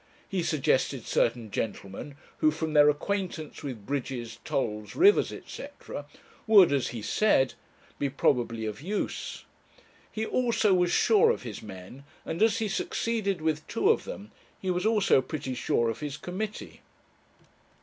He suggested certain gentlemen who, from their acquaintance with bridges, tolls, rivers, &c., would, as he said, be probably of use. He, also, was sure of his men, and as he succeeded with two of them, he was also pretty sure of his committee.